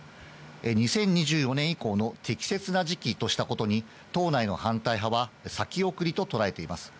２０２４年以降の適切な時期としたことに党内の反対派は先送りととらえています。